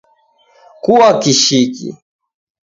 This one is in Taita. Kua kishiki